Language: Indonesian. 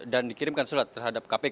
dan dikirimkan surat terhadap kpk